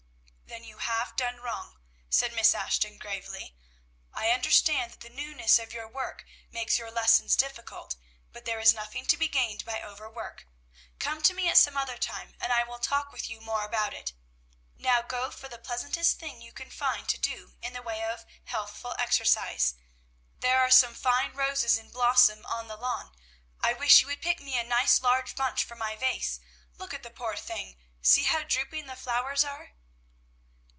"Then you have done wrong," said Miss Ashton gravely. "I understand that the newness of your work makes your lessons difficult, but there is nothing to be gained by overwork. Come to me at some other time, and I will talk with you more about it. Now go, for the pleasantest thing you can find to do in the way of healthful exercise. There are some fine roses in blossom on the lawn; I wish you would pick me a nice, large bunch for my vase. Look at the poor thing! See how drooping the flowers are!"